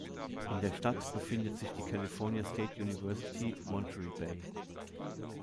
In der Stadt befindet sich die California State University, Monterey Bay.